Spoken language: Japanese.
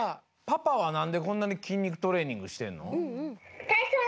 パパはなんでこんなにきんにくトレーニングしてんの？